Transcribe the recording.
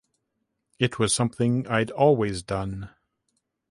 It was something I’d always done.